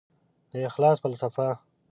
د اخلاص فلسفه